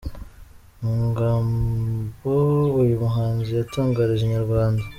Mu magambo uyu muhanzi yatangarije Inyarwanda.